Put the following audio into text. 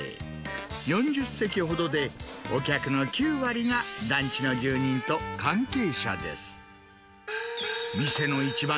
４０席ほどでお客の９割が団地の住人と関係者です。